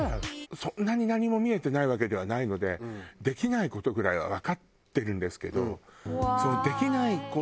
そんなに何も見えてないわけではないのでできない事ぐらいはわかってるんですけど。